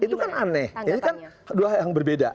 itu kan aneh ini kan dua yang berbeda